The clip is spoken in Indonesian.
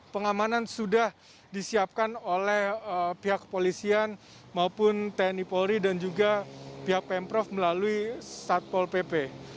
pengamanan sudah disiapkan oleh pihak kepolisian maupun tni polri dan juga pihak pemprov melalui satpol pp